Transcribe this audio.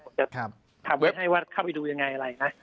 ผมจะถามเว็บให้ว่าเข้าไปดูยังไงอะไรนะ